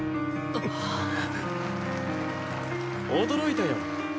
驚いたよ